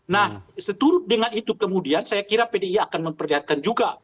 nah seturut dengan itu kemudian saya kira pdi akan memperlihatkan juga